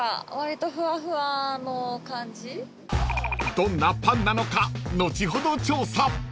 ［どんなパンなのか後ほど調査］